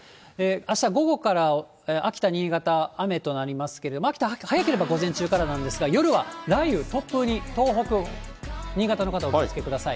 あした午後から秋田、新潟、雨となりますけど、秋田、早ければ午前中からなんですが、夜は雷雨、突風に東北、新潟の方はお気をつけください。